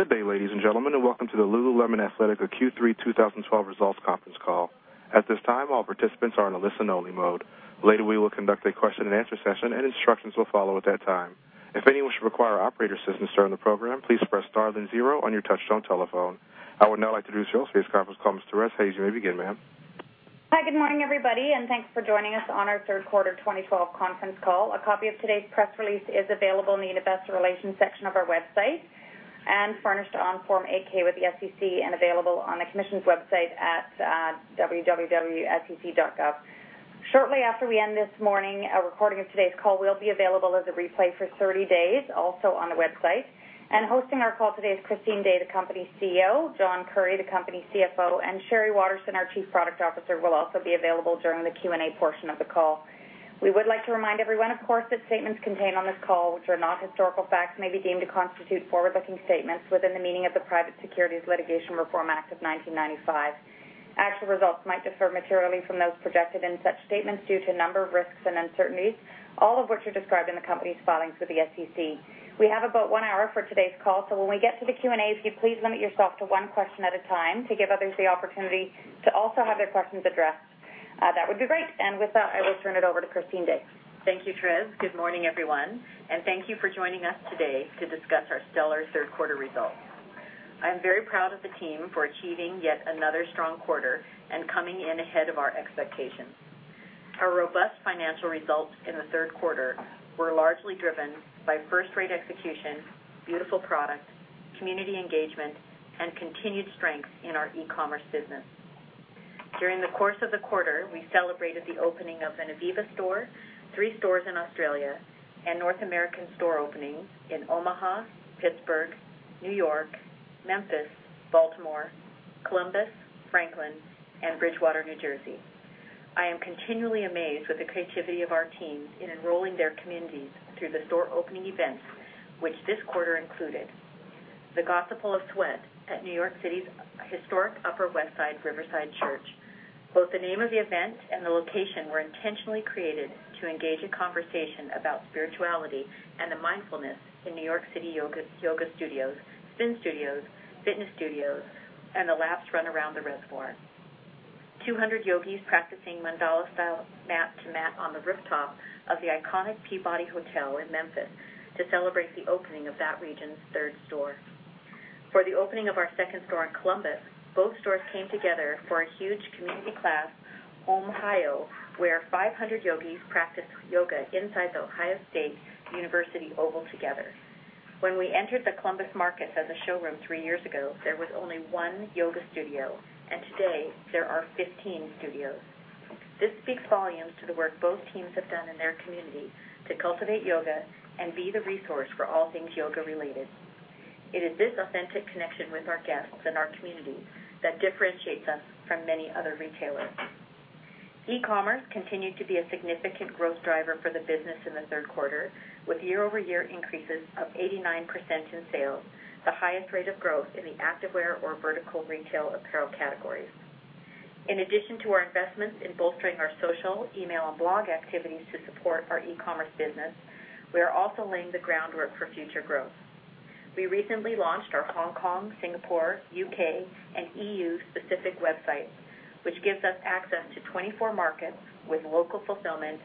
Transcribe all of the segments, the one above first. Good day, ladies and gentlemen, welcome to the Lululemon Athletica Q3 2012 results conference call. At this time, all participants are in a listen only mode. Later, we will conduct a question and answer session, and instructions will follow at that time. If anyone should require operator assistance during the program, please press star then zero on your touchtone telephone. I would now like to introduce your host for this conference call, Ms. Therese Hayes. You may begin, ma'am. Hi. Good morning, everybody, thanks for joining us on our third quarter 2012 conference call. A copy of today's press release is available in the investor relations section of our website and furnished on Form 8-K with the SEC and available on the commission's website at www.sec.gov. Shortly after we end this morning, a recording of today's call will be available as a replay for 30 days, also on the website. Hosting our call today is Christine Day, the company's CEO, John Currie, the company's CFO, and Sheree Waterson, our Chief Product Officer, will also be available during the Q&A portion of the call. We would like to remind everyone, of course, that statements contained on this call, which are not historical facts, may be deemed to constitute forward-looking statements within the meaning of the Private Securities Litigation Reform Act of 1995. Actual results might differ materially from those projected in such statements due to a number of risks and uncertainties, all of which are described in the company's filings with the SEC. We have about one hour for today's call, so when we get to the Q&A, if you'd please limit yourself to one question at a time to give others the opportunity to also have their questions addressed, that would be great. With that, I will turn it over to Christine Day. Thank you, Therese. Good morning, everyone, thank you for joining us today to discuss our stellar third quarter results. I am very proud of the team for achieving yet another strong quarter and coming in ahead of our expectations. Our robust financial results in the third quarter were largely driven by first-rate execution, beautiful products, community engagement, and continued strength in our e-commerce business. During the course of the quarter, we celebrated the opening of an Ivivva store, three stores in Australia, and North American store openings in Omaha, Pittsburgh, New York, Memphis, Baltimore, Columbus, Franklin, and Bridgewater, New Jersey. I am continually amazed with the creativity of our teams in enrolling their communities through the store opening events, which this quarter included The Gospel of Sweat at New York City's historic Upper West Side Riverside Church. Both the name of the event and the location were intentionally created to engage a conversation about spirituality and the mindfulness in New York City yoga studios, spin studios, fitness studios, and the laps run around the reservoir. 200 yogis practicing mandala-style mat-to-mat on the rooftop of the iconic Peabody Hotel in Memphis to celebrate the opening of that region's third store. For the opening of our second store in Columbus, both stores came together for a huge community class, Om-H-I-O, where 500 yogis practiced yoga inside The Ohio State University oval together. When we entered the Columbus market as a showroom three years ago, there was only one yoga studio, and today there are 15 studios. This speaks volumes to the work both teams have done in their community to cultivate yoga and be the resource for all things yoga related. It is this authentic connection with our guests and our community that differentiates us from many other retailers. E-commerce continued to be a significant growth driver for the business in the third quarter, with year-over-year increases of 89% in sales, the highest rate of growth in the activewear or vertical retail apparel categories. In addition to our investments in bolstering our social, email, and blog activities to support our e-commerce business, we are also laying the groundwork for future growth. We recently launched our Hong Kong, Singapore, U.K., and E.U.-specific websites, which gives us access to 24 markets with local fulfillment,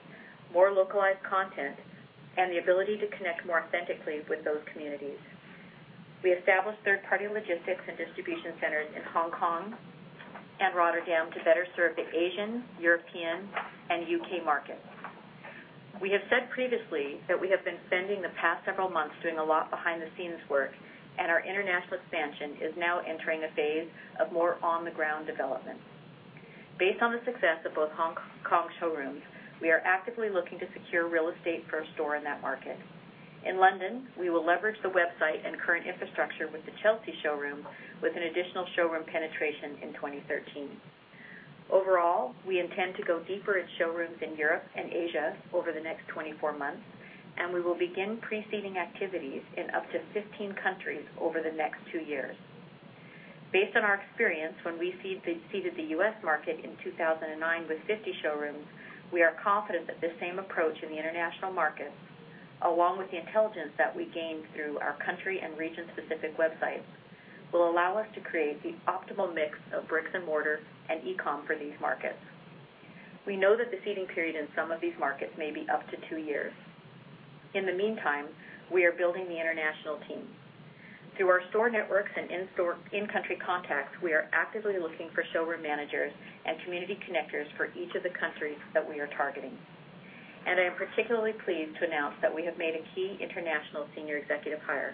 more localized content, and the ability to connect more authentically with those communities. We established third-party logistics and distribution centers in Hong Kong and Rotterdam to better serve the Asian, European, and U.K. markets. We have said previously that we have been spending the past several months doing a lot behind-the-scenes work. Our international expansion is now entering a phase of more on-the-ground development. Based on the success of both Hong Kong showrooms, we are actively looking to secure real estate for a store in that market. In London, we will leverage the website and current infrastructure with the Chelsea showroom, with an additional showroom penetration in 2013. Overall, we intend to go deeper in showrooms in Europe and Asia over the next 24 months. We will begin pre-seeding activities in up to 15 countries over the next two years. Based on our experience when we seeded the U.S. market in 2009 with 50 showrooms, we are confident that this same approach in the international markets, along with the intelligence that we gained through our country and region-specific websites, will allow us to create the optimal mix of bricks and mortar and e-com for these markets. We know that the seeding period in some of these markets may be up to two years. In the meantime, we are building the international team. Through our store networks and in-country contacts, we are actively looking for showroom managers and community connectors for each of the countries that we are targeting. I am particularly pleased to announce that we have made a key international senior executive hire.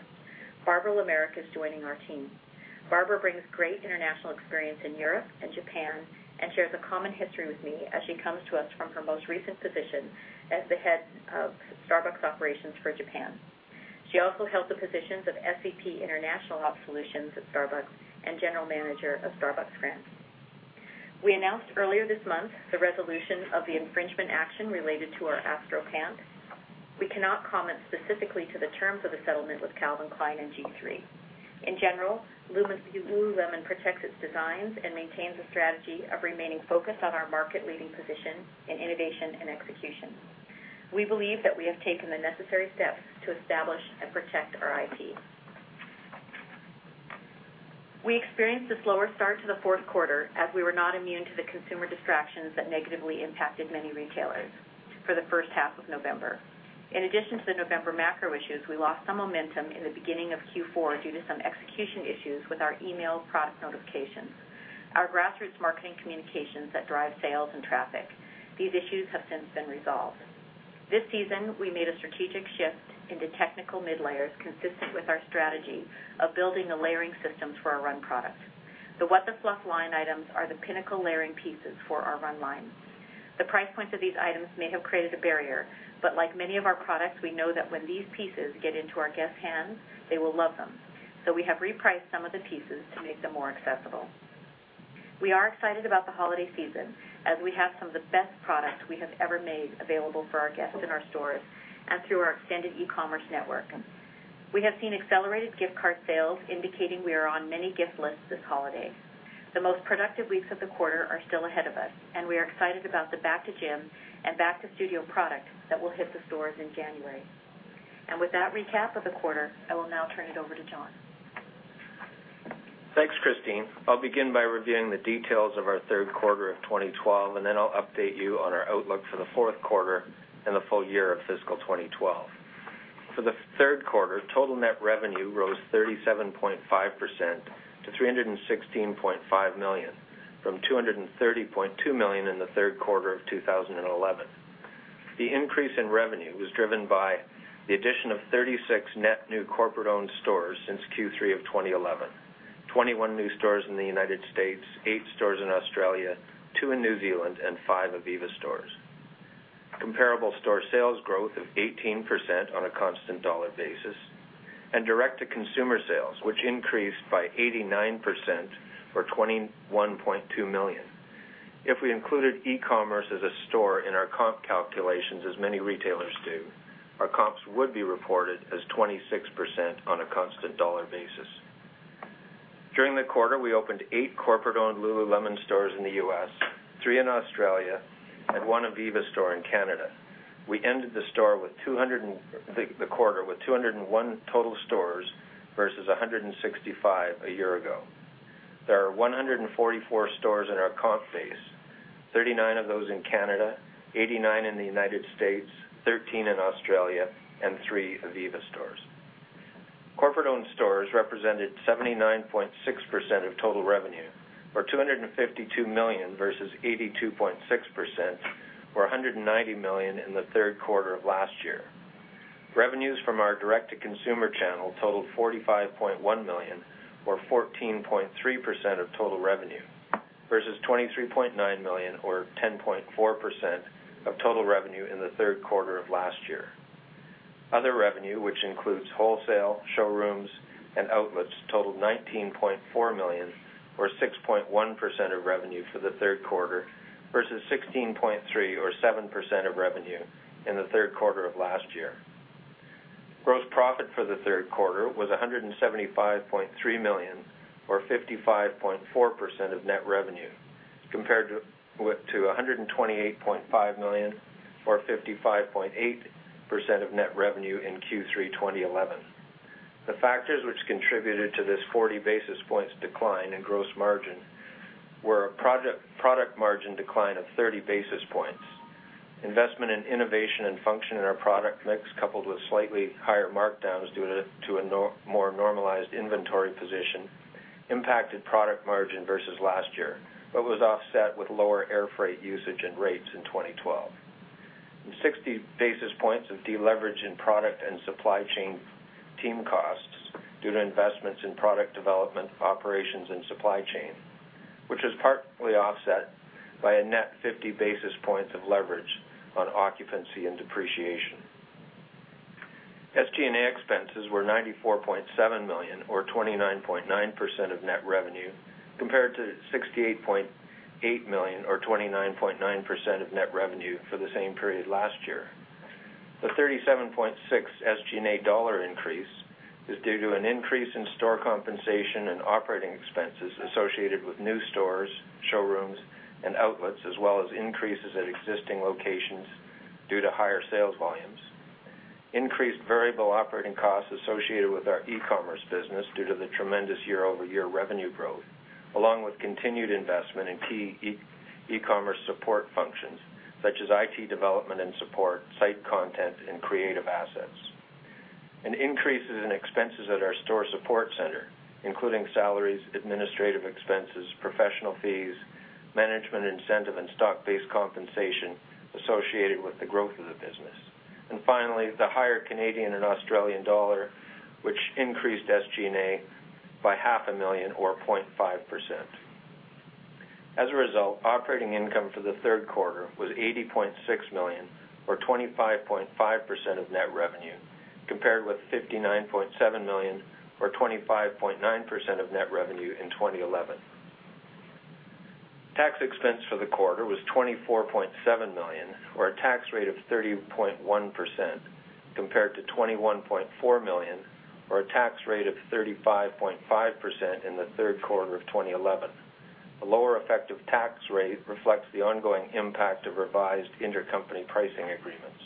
Barbara Lemaire is joining our team. Barbara brings great international experience in Europe and Japan and shares a common history with me as she comes to us from her most recent position as the head of Starbucks operations for Japan. She also held the positions of SVP International Ops Solutions at Starbucks and general manager of Starbucks France. We announced earlier this month the resolution of the infringement action related to our Astro Pant. We cannot comment specifically to the terms of the settlement with Calvin Klein and G3. In general, Lululemon protects its designs and maintains a strategy of remaining focused on our market-leading position in innovation and execution. We believe that we have taken the necessary steps to establish and protect our IP. We experienced a slower start to the fourth quarter as we were not immune to the consumer distractions that negatively impacted many retailers for the first half of November. In addition to the November macro issues, we lost some momentum in the beginning of Q4 due to some execution issues with our email product notifications, our grassroots marketing communications that drive sales and traffic. These issues have since been resolved. This season, we made a strategic shift into technical mid layers, consistent with our strategy of building the layering systems for our run product. The What The Fluff line items are the pinnacle layering pieces for our run line. The price points of these items may have created a barrier, but like many of our products, we know that when these pieces get into our guests' hands, they will love them. We have repriced some of the pieces to make them more accessible. We are excited about the holiday season, as we have some of the best product we have ever made available for our guests in our stores and through our extended e-commerce network. We have seen accelerated gift card sales, indicating we are on many gift lists this holiday. The most productive weeks of the quarter are still ahead of us, and we are excited about the back to gym and back to studio product that will hit the stores in January. With that recap of the quarter, I will now turn it over to John. Thanks, Christine. I'll begin by reviewing the details of our third quarter of 2012, then I'll update you on our outlook for the fourth quarter and the full year of fiscal 2012. For the third quarter, total net revenue rose 37.5% to $316.5 million from $230.2 million in the third quarter of 2011. The increase in revenue was driven by the addition of 36 net new corporate-owned stores since Q3 of 2011, 21 new stores in the U.S., eight stores in Australia, two in New Zealand, and five Ivivva stores. Comparable store sales growth of 18% on a constant dollar basis, and direct-to-consumer sales, which increased by 89% or $21.2 million. If we included e-commerce as a store in our comp calculations, as many retailers do, our comps would be reported as 26% on a constant dollar basis. During the quarter, we opened eight corporate-owned Lululemon stores in the U.S., three in Australia, and one Ivivva store in Canada. We ended the quarter with 201 total stores versus 165 a year ago. There are 144 stores in our comp base, 39 of those in Canada, 89 in the United States, 13 in Australia, and three Ivivva stores. Corporate-owned stores represented 79.6% of total revenue, or 252 million versus 82.6%, or 190 million in the third quarter of last year. Revenues from our direct-to-consumer channel totaled 45.1 million or 14.3% of total revenue, versus 23.9 million or 10.4% of total revenue in the third quarter of last year. Other revenue, which includes wholesale, showrooms, and outlets, totaled 19.4 million or 6.1% of revenue for the third quarter versus 16.3 million or 7% of revenue in the third quarter of last year. Gross profit for the third quarter was 175.3 million or 55.4% of net revenue compared to 128.5 million or 55.8% of net revenue in Q3 2011. The factors which contributed to this 40 basis points decline in gross margin were a product margin decline of 30 basis points. Investment in innovation and function in our product mix, coupled with slightly higher markdowns due to a more normalized inventory position impacted product margin versus last year, but was offset with lower air freight usage and rates in 2012. 60 basis points of deleverage in product and supply chain team costs due to investments in product development, operations, and supply chain, which was partly offset by a net 50 basis points of leverage on occupancy and depreciation. SG&A expenses were 94.7 million or 29.9% of net revenue, compared to 68.8 million or 29.9% of net revenue for the same period last year. The 37.6 SG&A dollar increase is due to an increase in store compensation and operating expenses associated with new stores, showrooms, and outlets, as well as increases at existing locations due to higher sales volumes. Increased variable operating costs associated with our e-commerce business due to the tremendous year-over-year revenue growth, along with continued investment in key e-commerce support functions such as IT development and support, site content, and creative assets. Increases in expenses at our store support center, including salaries, administrative expenses, professional fees, management incentive, and stock-based compensation associated with the growth of the business. Finally, the higher Canadian and Australian dollar, which increased SG&A by half a million or 0.5%. As a result, operating income for the third quarter was 80.6 million or 25.5% of net revenue, compared with 59.7 million or 25.9% of net revenue in 2011. Tax expense for the quarter was 24.7 million, or a tax rate of 30.1%. Compared to 21.4 million, or a tax rate of 35.5% in the third quarter of 2011. A lower effective tax rate reflects the ongoing impact of revised intercompany pricing agreements.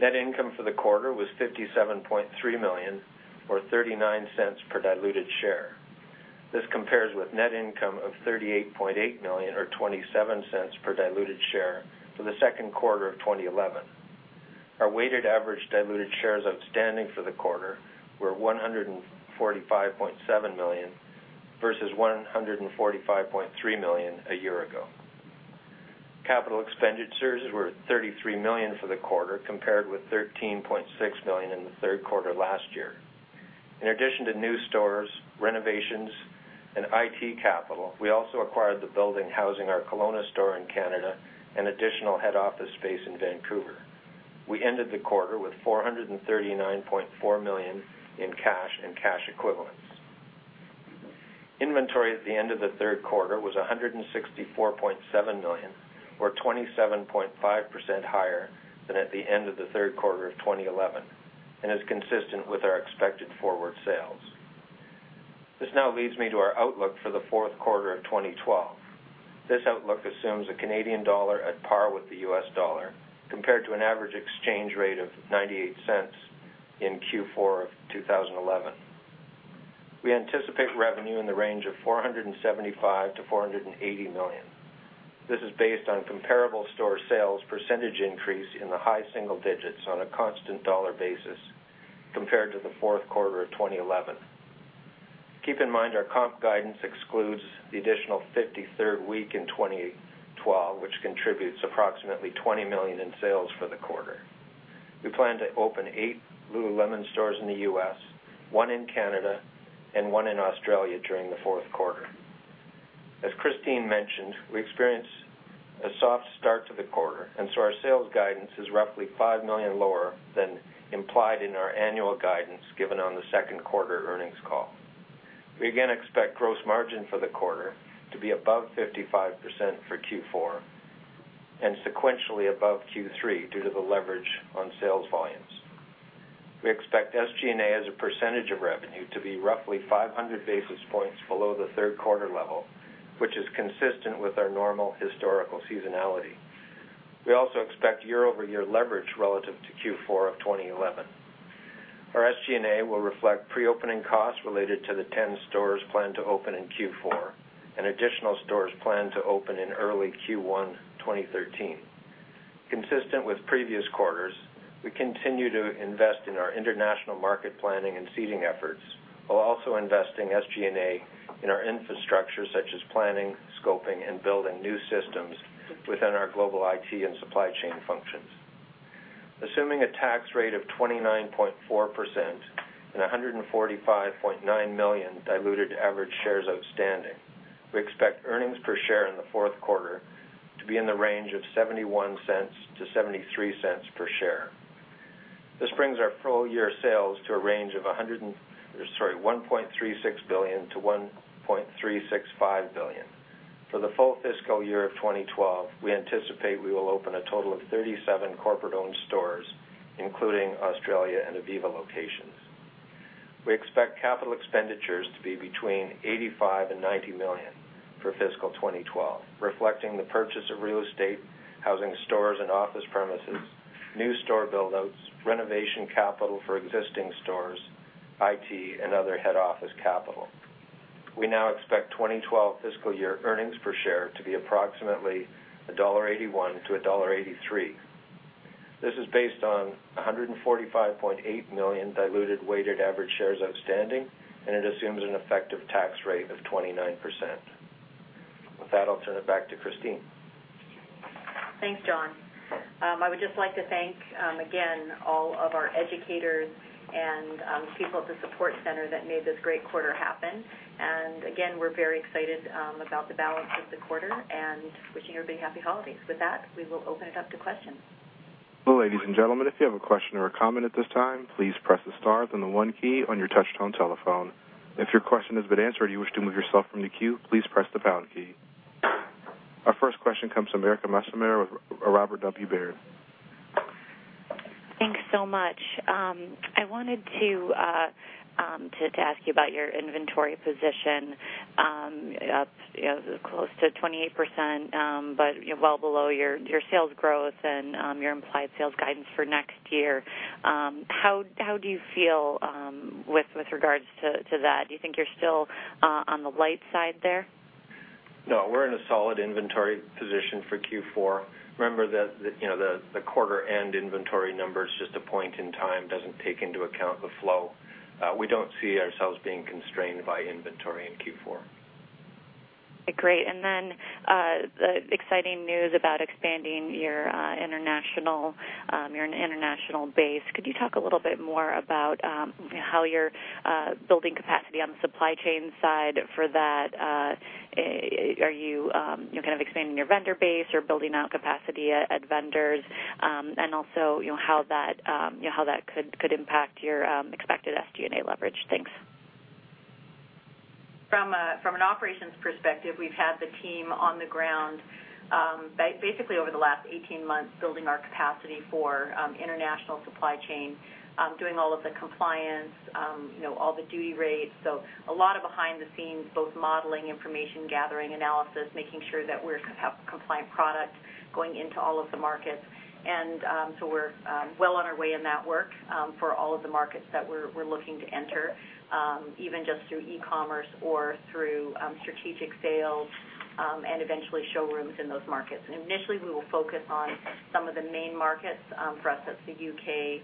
Net income for the quarter was 57.3 million or 0.39 per diluted share. This compares with net income of 38.8 million or 0.27 per diluted share for the second quarter of 2011. Our weighted average diluted shares outstanding for the quarter were 145.7 million versus 145.3 million a year ago. Capital expenditures were 33 million for the quarter, compared with 13.6 million in the third quarter last year. In addition to new stores, renovations, and IT capital, we also acquired the building housing our Kelowna store in Canada and additional head office space in Vancouver. We ended the quarter with $439.4 million in cash and cash equivalents. Inventory at the end of the third quarter was $164.7 million, or 27.5% higher than at the end of the third quarter of 2011, and is consistent with our expected forward sales. This now leads me to our outlook for the fourth quarter of 2012. This outlook assumes a Canadian dollar at par with the U.S. dollar, compared to an average exchange rate of $0.98 in Q4 of 2011. We anticipate revenue in the range of $475 million-$480 million. This is based on comparable store sales percentage increase in the high single digits on a constant dollar basis compared to the fourth quarter of 2011. Keep in mind our comp guidance excludes the additional 53rd week in 2012, which contributes approximately $20 million in sales for the quarter. We plan to open eight Lululemon stores in the U.S., one in Canada, and one in Australia during the fourth quarter. As Christine mentioned, we experienced a soft start to the quarter, and so our sales guidance is roughly $5 million lower than implied in our annual guidance given on the second quarter earnings call. We again expect gross margin for the quarter to be above 55% for Q4, and sequentially above Q3 due to the leverage on sales volumes. We expect SG&A as a percentage of revenue to be roughly 500 basis points below the third quarter level, which is consistent with our normal historical seasonality. We also expect year-over-year leverage relative to Q4 of 2011. Our SG&A will reflect pre-opening costs related to the 10 stores planned to open in Q4 and additional stores planned to open in early Q1 2013. Consistent with previous quarters, we continue to invest in our international market planning and seeding efforts, while also investing SG&A in our infrastructure, such as planning, scoping, and building new systems within our global IT and supply chain functions. Assuming a tax rate of 29.4% and 145.9 million diluted average shares outstanding, we expect earnings per share in the fourth quarter to be in the range of $0.71-$0.73 per share. This brings our full-year sales to a range of $1.36 billion-$1.365 billion. For the full fiscal year of 2012, we anticipate we will open a total of 37 corporate-owned stores, including Australia and Ivivva locations. We expect capital expenditures to be between $85 million and $90 million for fiscal 2012, reflecting the purchase of real estate, housing stores and office premises, new store build-outs, renovation capital for existing stores, IT, and other head office capital. We now expect 2012 fiscal year earnings per share to be approximately $1.81-$1.83. This is based on 145.8 million diluted weighted average shares outstanding, and it assumes an effective tax rate of 29%. With that, I'll turn it back to Christine. Thanks, John. I would just like to thank, again, all of our educators and people at the support center that made this great quarter happen. Again, we're very excited about the balance of the quarter and wishing everybody happy holidays. With that, we will open it up to questions. Ladies and gentlemen, if you have a question or a comment at this time, please press the star then the one key on your touch-tone telephone. If your question has been answered or you wish to remove yourself from the queue, please press the pound key. Our first question comes from Erika Maschmeyer from Robert W. Baird. Thanks so much. I wanted to ask you about your inventory position. Up close to 28%, but well below your sales growth and your implied sales guidance for next year. How do you feel with regards to that? Do you think you're still on the light side there? No, we're in a solid inventory position for Q4. Remember that the quarter-end inventory number is just a point in time, doesn't take into account the flow. We don't see ourselves being constrained by inventory in Q4. Great. Then, the exciting news about expanding your international base. Could you talk a little bit more about how you're building capacity on the supply chain side for that? Are you kind of expanding your vendor base or building out capacity at vendors? Also, how that could impact your expected SG&A leverage? Thanks. From an operations perspective, we've had the team on the ground basically over the last 18 months, building our capacity for international supply chain, doing all of the compliance, all the duty rates. A lot of behind the scenes, both modeling, information gathering, analysis, making sure that we have compliant product going into all of the markets. We're well on our way in that work for all of the markets that we're looking to enter, even just through e-commerce or through strategic sales, and eventually showrooms in those markets. Initially, we will focus on some of the main markets. For us, that's the U.K.,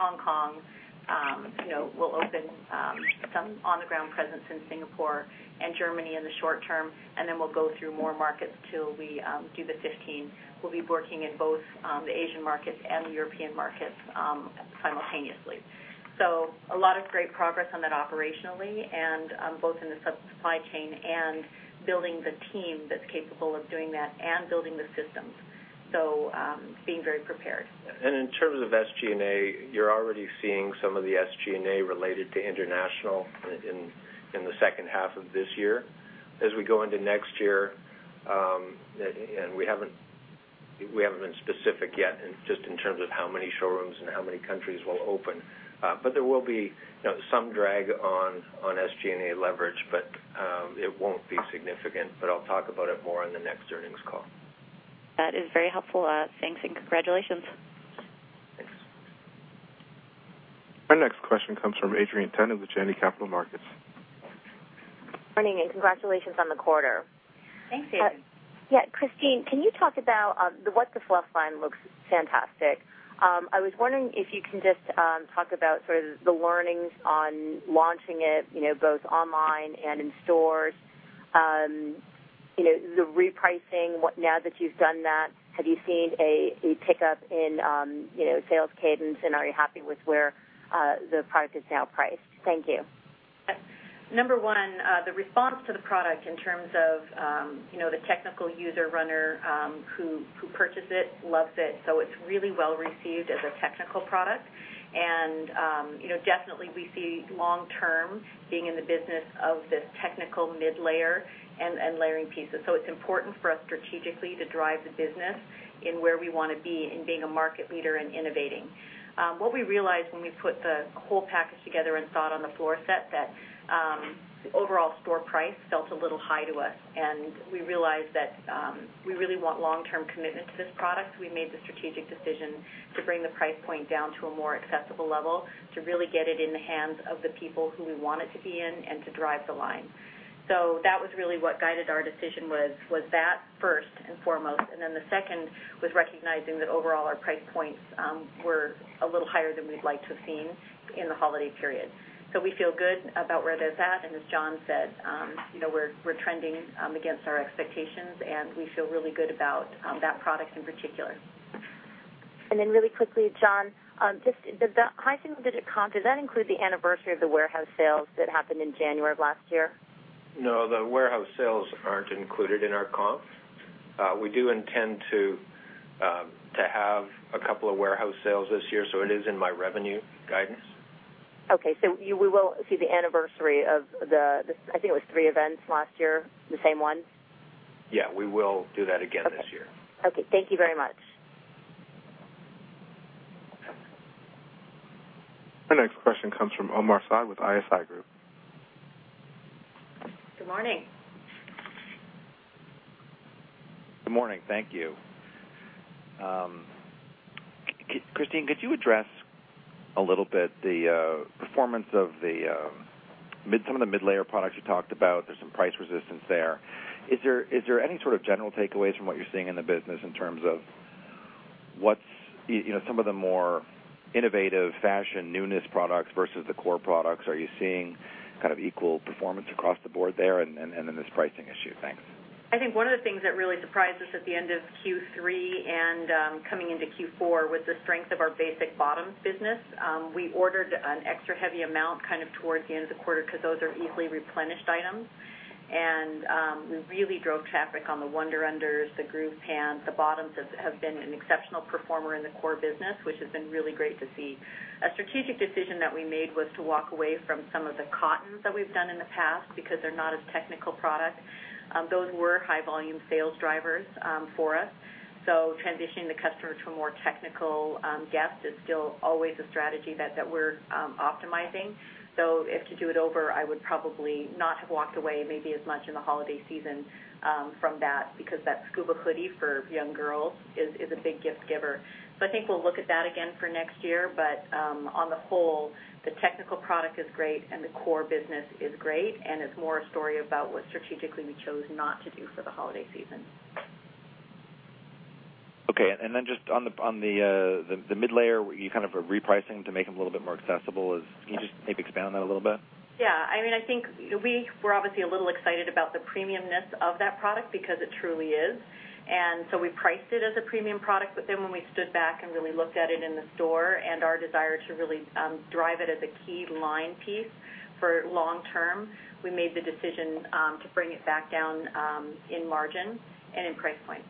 Hong Kong. We'll open some on-the-ground presence in Singapore and Germany in the short term, then we'll go through more markets till we do the 15. We'll be working in both the Asian markets and the European markets simultaneously. A lot of great progress on that operationally, and both in the supply chain and building the team that's capable of doing that and building the systems. Being very prepared. In terms of SG&A, you're already seeing some of the SG&A related to international in the second half of this year. As we go into next year, and we haven't been specific yet, just in terms of how many showrooms and how many countries we'll open. There will be some drag on SG&A leverage, but it won't be significant. I'll talk about it more on the next earnings call. That is very helpful. Thanks, and congratulations. Thanks. Our next question comes from Adrienne Tennant with Janney Montgomery Scott. Good morning, congratulations on the quarter. Thanks, Adrienne. Christine, can you talk about the What The Fluff line looks fantastic? I was wondering if you can just talk about sort of the learnings on launching it, both online and in stores. The repricing. Now that you've done that, have you seen a pickup in sales cadence, and are you happy with where the product is now priced? Thank you. Number one, the response to the product in terms of the technical user runner who purchased it, loves it. It's really well received as a technical product. Definitely we see long term being in the business of this technical mid-layer and layering pieces. It's important for us strategically to drive the business in where we want to be in being a market leader and innovating. What we realized when we put the whole package together and saw it on the floor set, that the overall store price felt a little high to us, and we realized that we really want long term commitment to this product. We made the strategic decision to bring the price point down to a more accessible level to really get it in the hands of the people who we want it to be in and to drive the line. That was really what guided our decision was that first and foremost, and then the second was recognizing that overall our price points were a little higher than we'd like to have seen in the holiday period. We feel good about where that's at, and as John said, we're trending against our expectations, and we feel really good about that product in particular. Really quickly, John, just the pricing visit comp, does that include the anniversary of the warehouse sales that happened in January of last year? No, the warehouse sales aren't included in our comp. We do intend to have a couple of warehouse sales this year, so it is in my revenue guidance. Okay, we will see the anniversary of the, I think it was three events last year, the same one? Yeah. We will do that again this year. Okay. Thank you very much. Our next question comes from Omar Saad with ISI Group. Good morning. Good morning. Thank you. Christine, could you address a little bit the performance of some of the mid-layer products you talked about. There's some price resistance there. Is there any sort of general takeaways from what you're seeing in the business in terms of some of the more innovative fashion newness products versus the core products? Are you seeing equal performance across the board there and in this pricing issue? Thanks. I think one of the things that really surprised us at the end of Q3 and coming into Q4 was the strength of our basic bottoms business. We ordered an extra heavy amount toward the end of the quarter because those are easily replenished items. We really drove traffic on the Wunder Under, the Groove Pants. The bottoms have been an exceptional performer in the core business, which has been really great to see. A strategic decision that we made was to walk away from some of the cottons that we've done in the past because they're not as technical product. Those were high volume sales drivers for us. Transitioning the customer to a more technical guest is still always a strategy that we're optimizing. If to do it over, I would probably not have walked away maybe as much in the holiday season from that, because that Scuba Hoodie for young girls is a big gift giver. I think we'll look at that again for next year. On the whole, the technical product is great and the core business is great, and it's more a story about what strategically we chose not to do for the holiday season. Okay. Just on the mid-layer, you kind of a repricing to make them a little bit more accessible. Can you just maybe expand on that a little bit? I think we were obviously a little excited about the premium-ness of that product because it truly is. We priced it as a premium product, when we stood back and really looked at it in the store and our desire to really drive it as a key line piece for long-term, we made the decision to bring it back down in margin and in price point.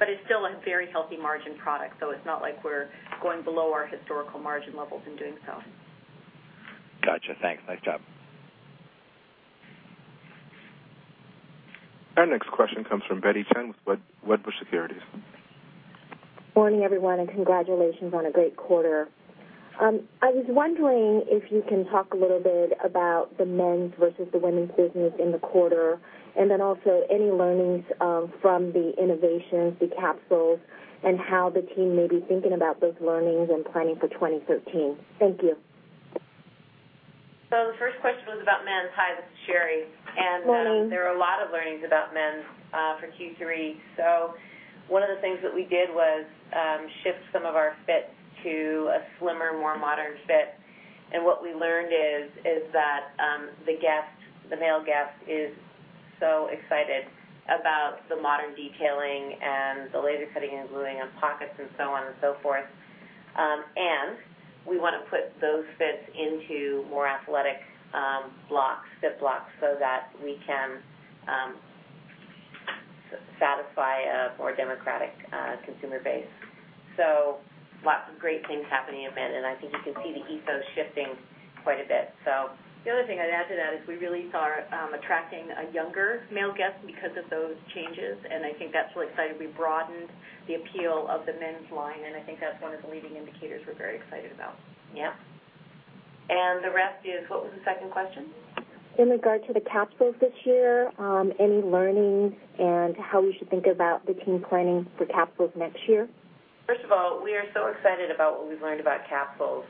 It's still a very healthy margin product, it's not like we're going below our historical margin levels in doing so. Got you. Thanks. Nice job. Our next question comes from Betty Chen with Wedbush Securities. Morning, everyone. Congratulations on a great quarter. I was wondering if you can talk a little bit about the men's versus the women's business in the quarter, also any learnings from the innovations, the capsules, and how the team may be thinking about those learnings and planning for 2013. Thank you. The first question was about men's. Hi, this is Sheree. Morning. There are a lot of learnings about men's for Q3. One of the things that we did was shift some of our fit to a slimmer, more modern fit. What we learned is that the male guest is so excited about the modern detailing and the laser cutting and gluing on pockets and so on and so forth. We want to put those fits into more athletic fit blocks so that we can satisfy a more democratic consumer base. Lots of great things happening in men, I think you can see the ethos shifting quite a bit. The other thing I'd add to that is we really are attracting a younger male guest because of those changes. I think that's really exciting. We broadened the appeal of the men's line, I think that's one of the leading indicators we're very excited about. Yeah. What was the second question? In regard to the capsules this year, any learnings and how we should think about the team planning for capsules next year? First of all, we are so excited about what we've learned about capsules.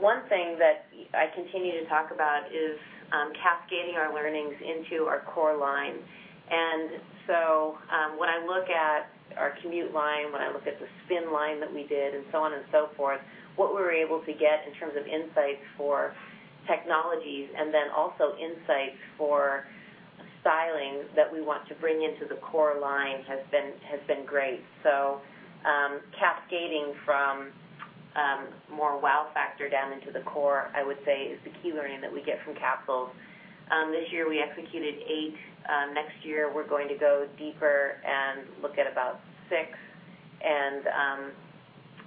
One thing that I continue to talk about is cascading our learnings into our core line. When I look at our Commute line, when I look at the spin line that we did and so on and so forth, what we were able to get in terms of insights for technologies and then also insights for styling that we want to bring into the core line has been great. Cascading from more wow factor down into the core, I would say, is the key learning that we get from capsules. This year, we executed 8. Next year, we're going to go deeper and look at about 6, and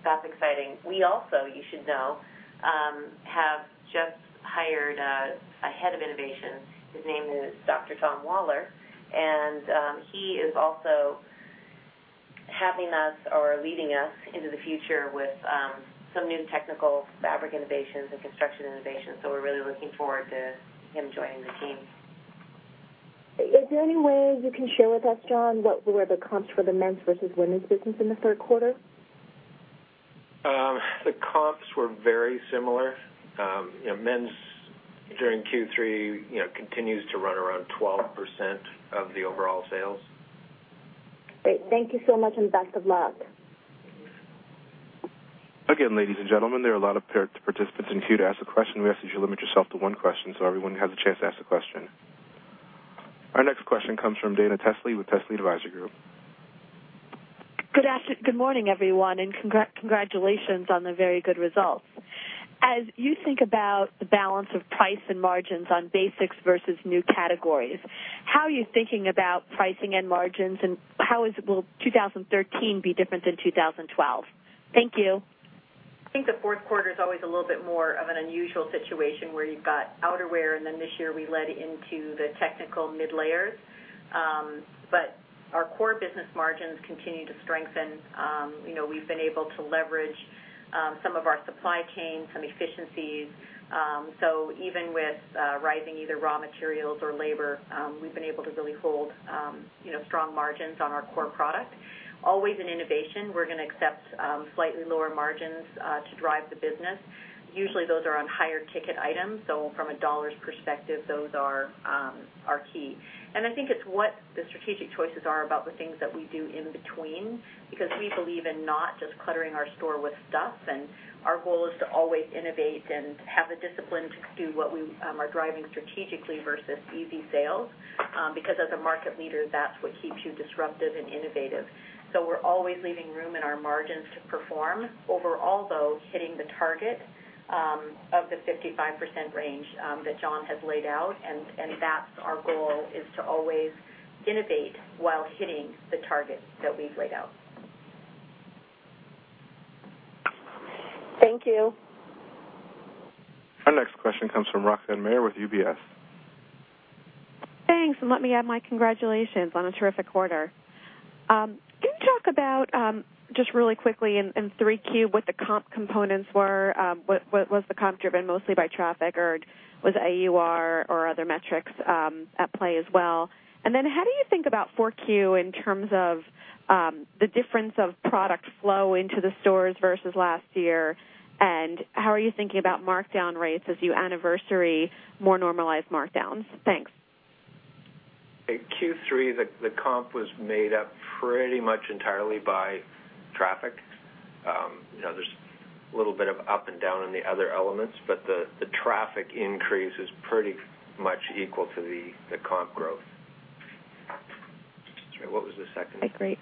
that's exciting. We also, you should know, have just hired a head of innovation. His name is Dr. Tom Waller, and he is also leading us into the future with some new technical fabric innovations and construction innovations. We're really looking forward to him joining the team. Is there any way you can share with us, John, what were the comps for the men's versus women's business in the third quarter? The comps were very similar. Men's during Q3 continues to run around 12% of the overall sales. Great. Thank you so much, and best of luck. Again, ladies and gentlemen, there are a lot of participants in queue to ask a question. We ask that you limit yourself to one question so everyone has a chance to ask a question. Our next question comes from Dana Telsey with Telsey Advisory Group. Good morning, everyone, and congratulations on the very good results. As you think about the balance of price and margins on basics versus new categories, how are you thinking about pricing and margins, and how will 2013 be different than 2012? Thank you. I think the fourth quarter is always a little bit more of an unusual situation where you've got outerwear, and then this year we led into the technical mid layers. Our core business margins continue to strengthen. We've been able to leverage some of our supply chain, some efficiencies. Even with rising either raw materials or labor, we've been able to really hold strong margins on our core product. Always in innovation, we're going to accept slightly lower margins to drive the business. Usually, those are on higher ticket items. From a $ perspective, those are key. I think it's what the strategic choices are about the things that we do in between, because we believe in not just cluttering our store with stuff. Our goal is to always innovate and have the discipline to do what we are driving strategically versus easy sales. As a market leader, that's what keeps you disruptive and innovative. We're always leaving room in our margins to perform. Overall, though, hitting the target of the 55% range that John has laid out, and that's our goal, is to always innovate while hitting the targets that we've laid out. Thank you. Our next question comes from Roxanne Meyer with UBS. Thanks. Let me add my congratulations on a terrific quarter. Can you talk about, just really quickly in 3Q, what the comp components were? Was the comp driven mostly by traffic, or was AUR or other metrics at play as well? How do you think about 4Q in terms of the difference of product flow into the stores versus last year, and how are you thinking about markdown rates as you anniversary more normalized markdowns? Thanks. In Q3, the comp was made up pretty much entirely by traffic. There's a little bit of up and down in the other elements, but the traffic increase is pretty much equal to the comp growth. Sorry, what was the second question? Great.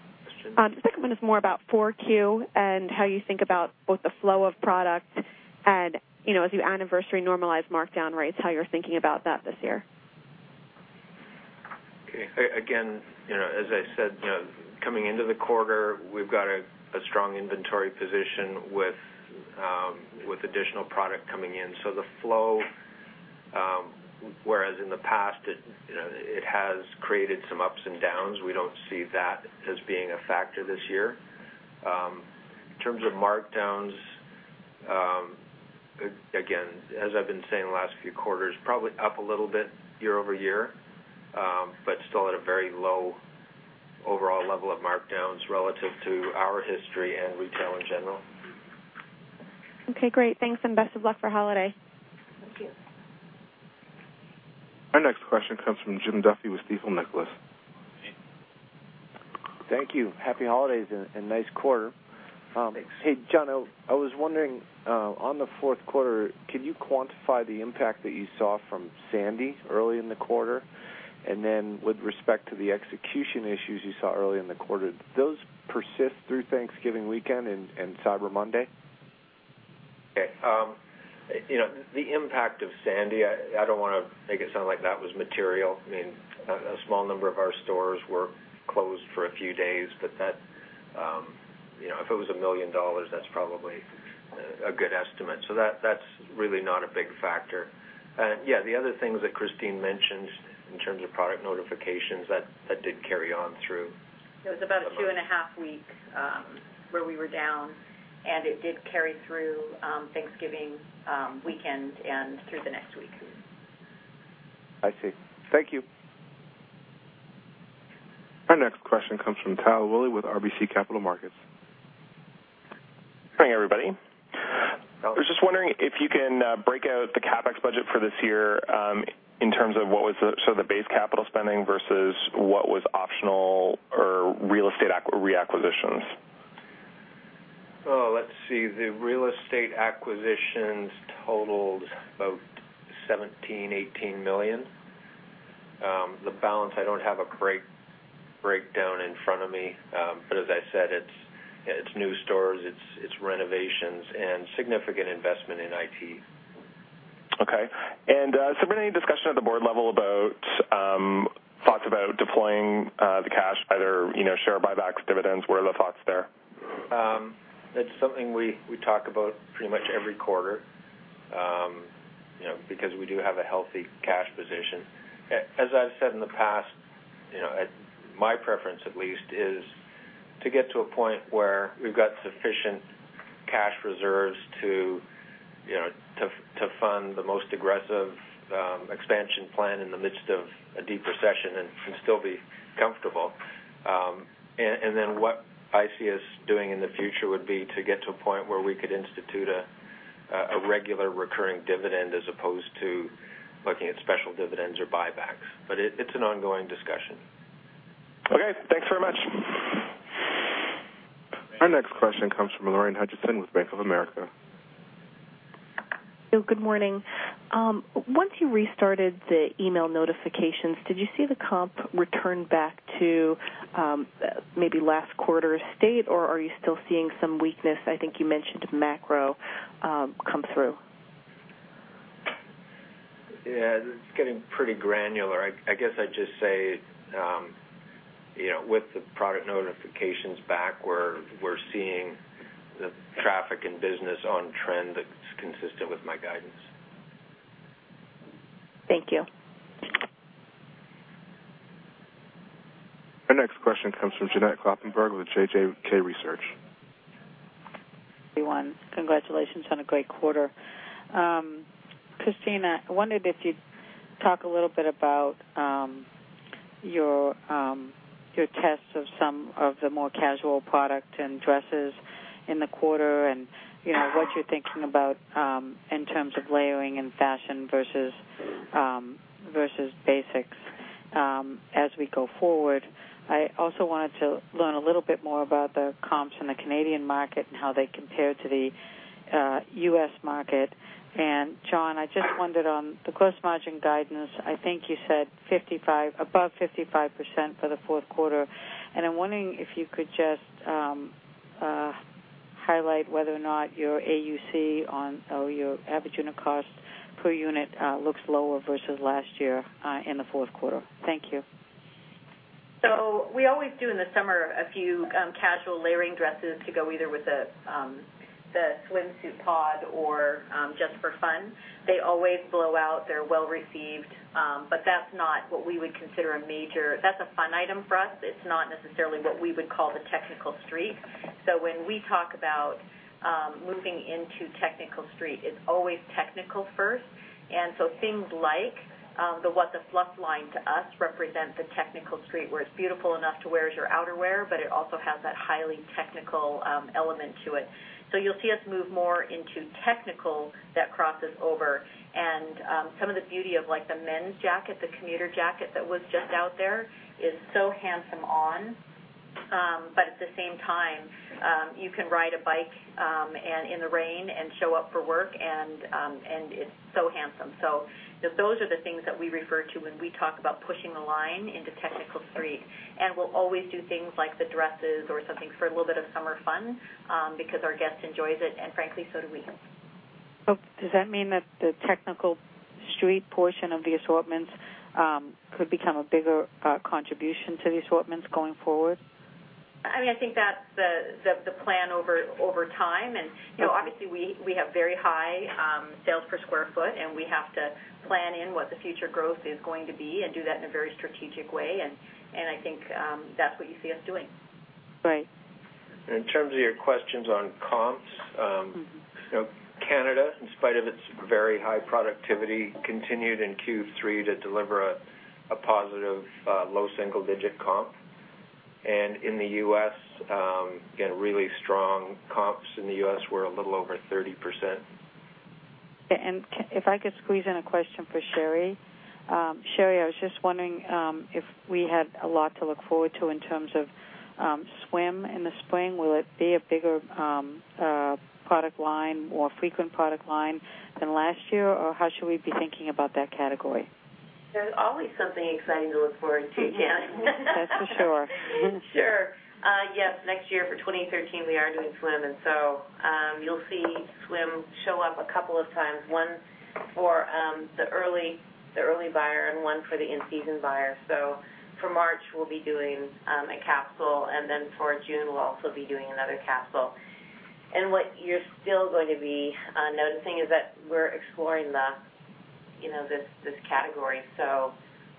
The second one is more about 4Q and how you think about both the flow of product and, as you anniversary normalize markdown rates, how you're thinking about that this year. Okay. Again, as I said, coming into the quarter, we've got a strong inventory position with additional product coming in. The flow, whereas in the past, it has created some ups and downs, we don't see that as being a factor this year. In terms of markdowns, again, as I've been saying the last few quarters, probably up a little bit year-over-year, but still at a very low overall level of markdowns relative to our history and retail in general. Okay, great. Thanks, and best of luck for holiday. Thank you. Our next question comes from Jim Duffy with Stifel Nicolaus. Thank you. Happy holidays, and nice quarter. Thanks. Hey, John, I was wondering, on the fourth quarter, can you quantify the impact that you saw from Sandy early in the quarter? With respect to the execution issues you saw early in the quarter, did those persist through Thanksgiving weekend and Cyber Monday? Okay. The impact of Sandy, I don't want to make it sound like that was material. A small number of our stores were closed for a few days, but if it was $1 million, that's probably a good estimate. That's really not a big factor. Yeah, the other things that Christine mentioned in terms of product notifications, that did carry on through. It was about a two and a half weeks where we were down, it did carry through Thanksgiving weekend and through the next week. I see. Thank you. Our next question comes from Tal Woolley with RBC Capital Markets. Hi, everybody. Hi. I was just wondering if you can break out the CapEx budget for this year, in terms of what was sort of the base capital spending versus what was optional or real estate re-acquisitions. Let's see, the real estate acquisitions totaled about 17 million-18 million. The balance, I don't have a great breakdown in front of me. As I said, it's new stores, it's renovations, and significant investment in IT. Okay. Were there any discussion at the board level about thoughts about deploying the cash, either share buybacks, dividends? Where are the thoughts there? It's something we talk about pretty much every quarter, because we do have a healthy cash position. As I've said in the past, my preference at least, is to get to a point where we've got sufficient cash reserves to fund the most aggressive expansion plan in the midst of a deep recession and still be comfortable. Then what I see us doing in the future would be to get to a point where we could institute a regular recurring dividend as opposed to looking at special dividends or buybacks. It's an ongoing discussion. Okay. Thanks very much. Our next question comes from Lorraine Hutchinson with Bank of America. Good morning. Once you restarted the email notifications, did you see the comp return back to maybe last quarter's state, or are you still seeing some weakness, I think you mentioned macro, come through? Yeah. This is getting pretty granular. I guess I'd just say, with the product notifications back, we're seeing the traffic and business on trend that's consistent with my guidance. Thank you. Our next question comes from Janet Kloppenburg with JJK Research. Everyone, congratulations on a great quarter. Christine, I wondered if you'd talk a little bit about your tests of some of the more casual product and dresses in the quarter, and what you're thinking about in terms of layering and fashion versus basics as we go forward. I also wanted to learn a little bit more about the comps in the Canadian market and how they compare to the U.S. market. John, I just wondered on the gross margin guidance, I think you said above 55% for the fourth quarter, and I'm wondering if you could just highlight whether or not your AUC or your average unit cost per unit looks lower versus last year in the fourth quarter. Thank you. We always do in the summer a few casual layering dresses to go either with the swimsuit pod or just for fun. They always blow out. They're well-received. That's not what we would consider. That's a fun item for us. It's not necessarily what we would call the technical street. When we talk about moving into technical street, it's always technical first. Things like the What the Fluff line to us represent the technical street, where it's beautiful enough to wear as your outerwear, but it also has that highly technical element to it. You'll see us move more into technical that crosses over. Some of the beauty of the men's jacket, the Commuter Jacket that was just out there, is so handsome on. At the same time, you can ride a bike in the rain and show up for work, and it's so handsome. Those are the things that we refer to when we talk about pushing the line into technical street. We'll always do things like the dresses or something for a little bit of summer fun, because our guest enjoys it, and frankly, so do we. Does that mean that the technical street portion of the assortments could become a bigger contribution to the assortments going forward? I think that's the plan over time. Okay. Obviously, we have very high sales per square foot, and we have to plan in what the future growth is going to be and do that in a very strategic way. I think that's what you see us doing. Right. In terms of your questions on comps. Canada, in spite of its very high productivity, continued in Q3 to deliver a positive low single-digit comp. In the U.S., again, really strong comps in the U.S. were a little over 30%. Yeah. If I could squeeze in a question for Sheree. Sheree, I was just wondering if we had a lot to look forward to in terms of swim in the spring. Will it be a bigger product line, more frequent product line than last year, or how should we be thinking about that category? There's always something exciting to look forward to, Janet. That's for sure. Sure. Yes, next year for 2013, we are doing swim. You'll see swim show up a couple of times, one for the early buyer and one for the in-season buyer. For March, we'll be doing a capsule, for June, we'll also be doing another capsule. What you're still going to be noticing is that we're exploring this category.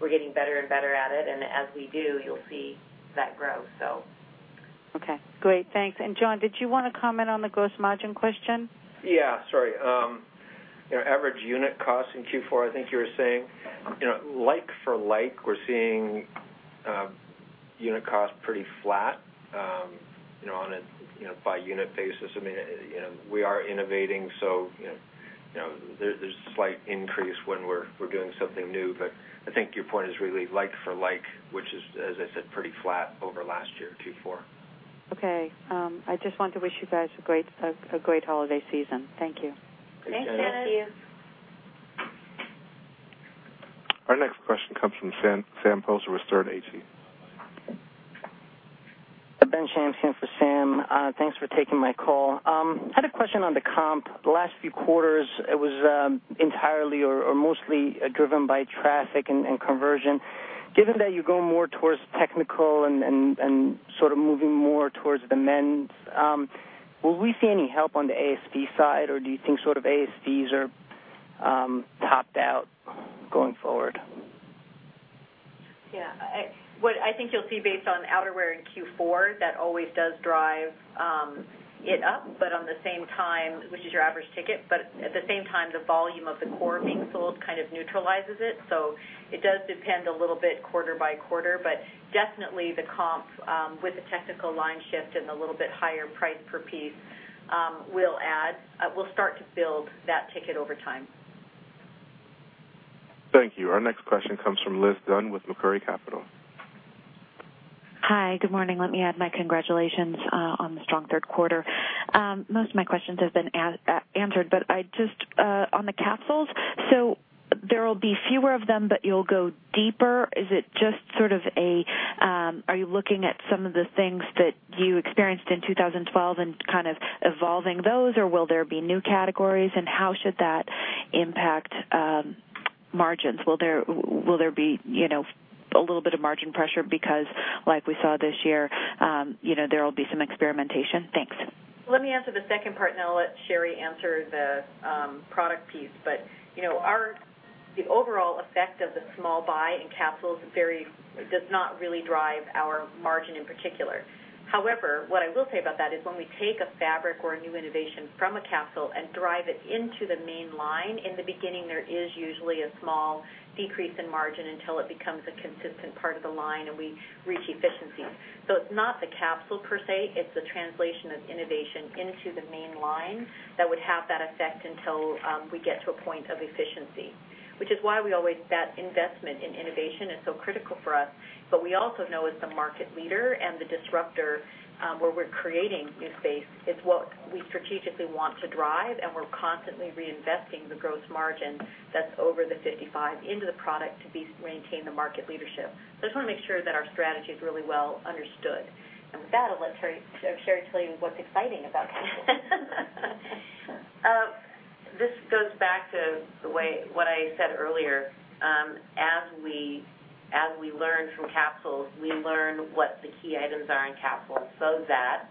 We're getting better and better at it. As we do, you'll see that grow. Okay, great. Thanks. John, did you want to comment on the gross margin question? Yeah. Sorry. Average unit cost in Q4, I think you were saying. Like for like, we're seeing unit cost pretty flat on a by unit basis. We are innovating, there's a slight increase when we're doing something new. I think your point is really like for like, which is, as I said, pretty flat over last year, Q4. Okay. I just want to wish you guys a great holiday season. Thank you. Thanks, Jan. Thank you. Our next question comes from Sam Poser with Sterne Agee. Ben Shams here for Sam. Thanks for taking my call. I had a question on the comp. The last few quarters, it was entirely or mostly driven by traffic and conversion. Given that you're going more towards technical and sort of moving more towards the men's, will we see any help on the ASD side, or do you think sort of ASDs are topped out going forward? What I think you'll see based on outerwear in Q4, that always does drive it up, which is your average ticket. At the same time, the volume of the core being sold kind of neutralizes it. It does depend a little bit quarter by quarter, but definitely the comp with the technical line shift and a little bit higher price per piece will start to build that ticket over time. Thank you. Our next question comes from Liz Dunn with Macquarie Capital. Hi. Good morning. Let me add my congratulations on the strong third quarter. Most of my questions have been answered, just on the capsules. There'll be fewer of them, but you'll go deeper. Are you looking at some of the things that you experienced in 2012 and kind of evolving those, or will there be new categories, and how should that impact margins? Will there be a little bit of margin pressure because, like we saw this year, there will be some experimentation? Thanks. Let me answer the second part, and then I'll let Sheree answer the product piece. The overall effect of the small buy in capsules does not really drive our margin in particular. However, what I will say about that is when we take a fabric or a new innovation from a capsule and drive it into the main line, in the beginning, there is usually a small decrease in margin until it becomes a consistent part of the line and we reach efficiency. It's not the capsule per se, it's the translation of innovation into the main line that would have that effect until we get to a point of efficiency, which is why that investment in innovation is so critical for us. We also know as the market leader and the disruptor, where we're creating new space, it's what we strategically want to drive, and we're constantly reinvesting the gross margin that's over the 55% into the product to maintain the market leadership. I just want to make sure that our strategy is really well understood. With that, I'll let Sheree tell you what's exciting about capsules. This goes back to what I said earlier. As we learn from capsules, we learn what the key items are in capsules so that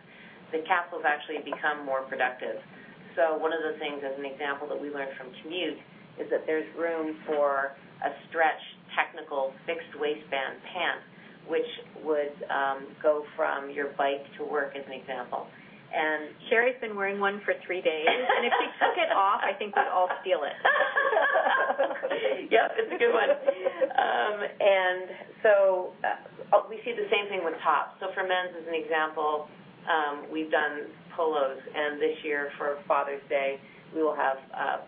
the capsules actually become more productive. One of the things, as an example, that we learned from commute is that there's room for a stretch technical fixed waistband pant, which would go from your bike to work, as an example. Sheree's been wearing one for three days. If she took it off, I think we'd all steal it. Yep, it's a good one. We see the same thing with tops. For men's, as an example, we've done polos, and this year for Father's Day, we will have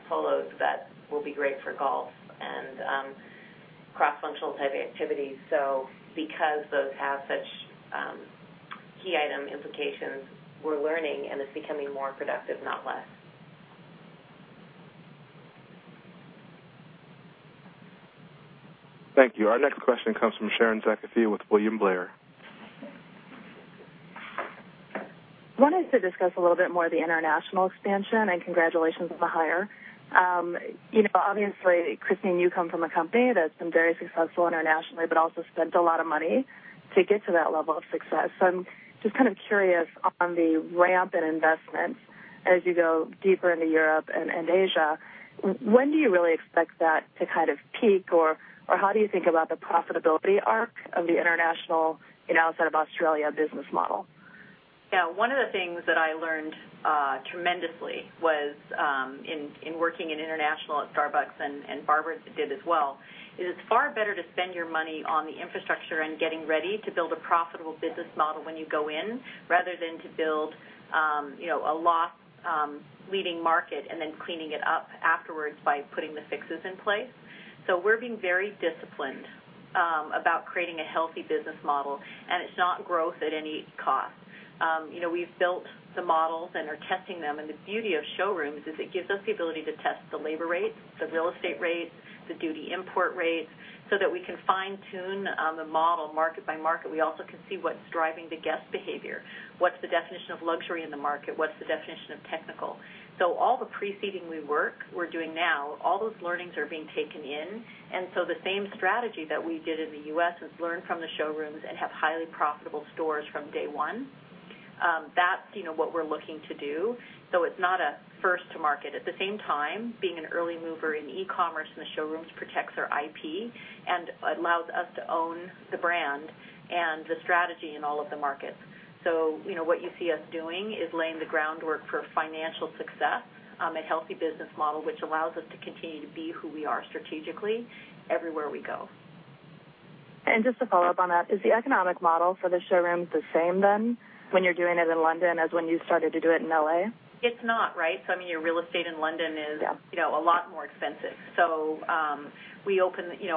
polos that will be great for golf and cross-functional type activities. Because those have such key item implications, we're learning, and it's becoming more productive, not less. Thank you. Our next question comes from Sharon Zackfia with William Blair. Wanted to discuss a little bit more the international expansion, and congratulations on the hire. Obviously, Christine, you come from a company that's been very successful internationally, but also spent a lot of money to get to that level of success. I'm just curious on the ramp in investments as you go deeper into Europe and Asia. When do you really expect that to kind of peak, or how do you think about the profitability arc of the international, outside of Australia, business model? Yeah. One of the things that I learned tremendously was in working in international at Starbucks, and Barbara did as well, is it's far better to spend your money on the infrastructure and getting ready to build a profitable business model when you go in, rather than to build a loss-leading market, and then cleaning it up afterwards by putting the fixes in place. We're being very disciplined about creating a healthy business model, and it's not growth at any cost. We've built the models and are testing them. The beauty of showrooms is it gives us the ability to test the labor rates, the real estate rates, the duty import rates, so that we can fine-tune the model market by market. We also can see what's driving the guest behavior. What's the definition of luxury in the market? What's the definition of technical? All the preceding we work, we're doing now, all those learnings are being taken in. The same strategy that we did in the U.S. is learn from the showrooms and have highly profitable stores from day one. That's what we're looking to do. It's not a first to market. At the same time, being an early mover in e-commerce in the showrooms protects our IP and allows us to own the brand and the strategy in all of the markets. What you see us doing is laying the groundwork for financial success, a healthy business model, which allows us to continue to be who we are strategically everywhere we go. Just to follow up on that, is the economic model for the showrooms the same then when you're doing it in London as when you started to do it in L.A.? It's not, right? I mean, your real estate in London Yeah a lot more expensive.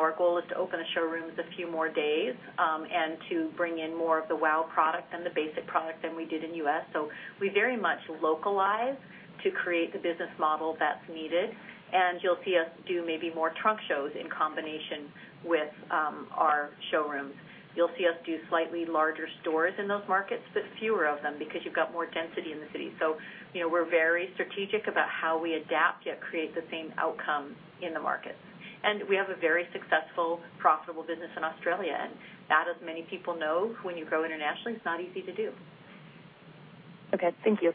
Our goal is to open the showrooms a few more days, and to bring in more of the wow product than the basic product than we did in U.S. We very much localize to create the business model that's needed, and you'll see us do maybe more trunk shows in combination with our showrooms. You'll see us do slightly larger stores in those markets, but fewer of them because you've got more density in the city. We're very strategic about how we adapt, yet create the same outcome in the markets. We have a very successful, profitable business in Australia. That, as many people know, when you go internationally, it's not easy to do. Okay. Thank you.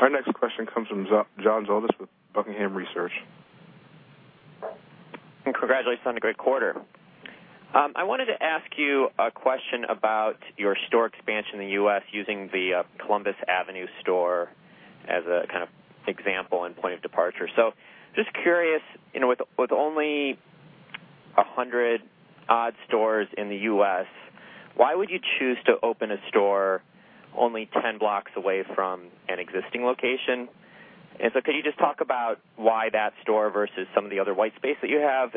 Our next question comes from John Zolis with Buckingham Research. Congratulations on a great quarter. I wanted to ask you a question about your store expansion in the U.S., using the Columbus Avenue store as a kind of example and point of departure. Just curious, with only 100 odd stores in the U.S., why would you choose to open a store only 10 blocks away from an existing location? Could you just talk about why that store versus some of the other white space that you have?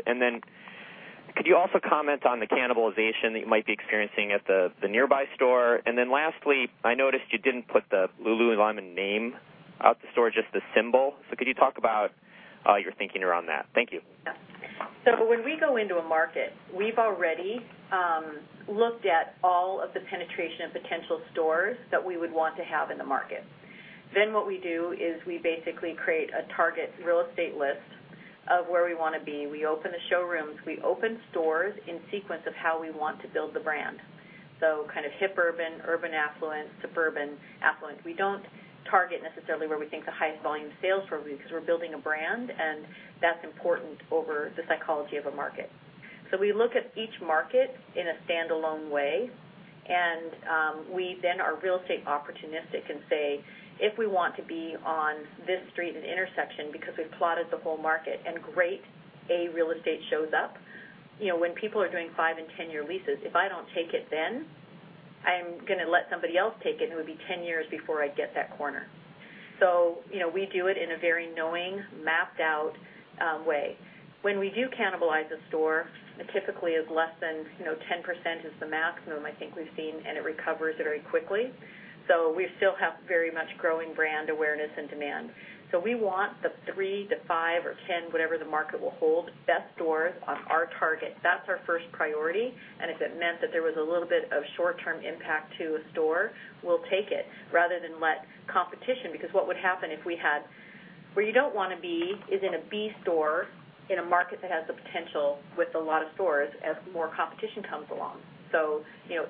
Could you also comment on the cannibalization that you might be experiencing at the nearby store? Lastly, I noticed you didn't put the Lululemon name out the store, just the symbol. Could you talk about your thinking around that? Thank you. Yeah. When we go into a market, we've already looked at all of the penetration of potential stores that we would want to have in the market. What we do is we basically create a target real estate list of where we want to be. We open the showrooms. We open stores in sequence of how we want to build the brand. Kind of hip-urban, urban affluent, suburban affluent. We don't target necessarily where we think the highest volume sales will be, because we're building a brand, and that's important over the psychology of a market. We look at each market in a standalone way, and we then are real estate opportunistic and say, "If we want to be on this street and intersection," because we've plotted the whole market, and Class A real estate shows up. When people are doing five and 10-year leases, if I don't take it then, I am gonna let somebody else take it, and it would be 10 years before I'd get that corner. We do it in a very knowing, mapped-out way. When we do cannibalize a store, it typically is less than 10% is the maximum I think we've seen, and it recovers very quickly. We still have very much growing brand awareness and demand. We want the three to five or 10, whatever the market will hold, best stores on our target. That's our first priority. If it meant that there was a little bit of short-term impact to a store, we'll take it rather than let competition, because what would happen where you don't wanna be is in a B store in a market that has the potential with a lot of stores as more competition comes along.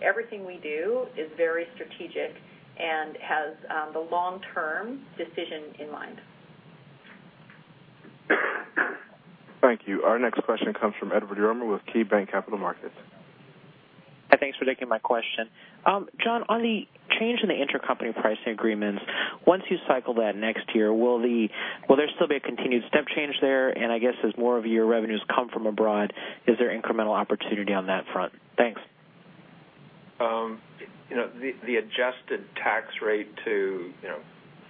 Everything we do is very strategic and has the long-term decision in mind. Thank you. Our next question comes from Edward Yruma with KeyBanc Capital Markets. Thanks for taking my question. John, on the change in the intercompany pricing agreements, once you cycle that next year, will there still be a continued step change there? I guess as more of your revenues come from abroad, is there incremental opportunity on that front? Thanks. The adjusted tax rate to